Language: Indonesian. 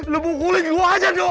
lo bukulin gue aja dok